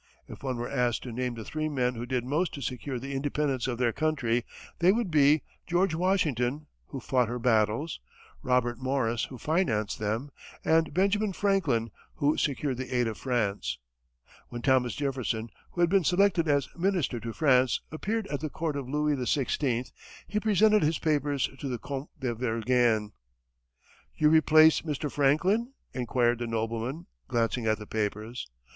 If one were asked to name the three men who did most to secure the independence of their country, they would be George Washington, who fought her battles, Robert Morris, who financed them, and Benjamin Franklin, who secured the aid of France. When Thomas Jefferson, who had been selected as minister to France, appeared at the court of Louis XVI, he presented his papers to the Comte de Vergennes. "You replace Mr. Franklin?" inquired the nobleman, glancing at the papers.